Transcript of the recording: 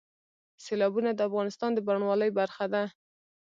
سیلابونه د افغانستان د بڼوالۍ برخه ده.